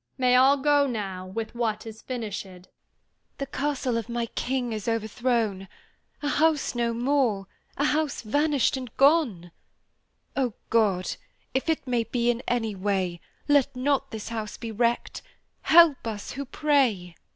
May all go now with what is finishèd! The castle of my King is overthrown, A house no more, a house vanished and gone! OTHER WOMEN O God, if it may be in any way, Let not this house be wrecked! Help us who pray!